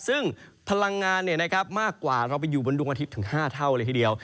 ซึ่งพลังงานมากกว่าเราไปอยู่บนดวงอาทิตย์ถึง๕เท่าเลยทีเดียว